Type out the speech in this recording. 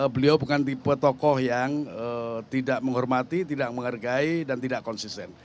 beliau bukan tipe tokoh yang tidak menghormati tidak menghargai dan tidak konsisten